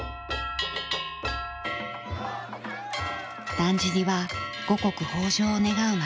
だんじりは五穀豊穣を願う祭りの一つ。